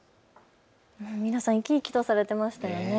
皆さん生き生きとされていましたよね。